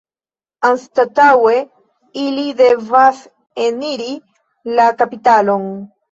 Anstataŭe ili devas eniri la kapitalon.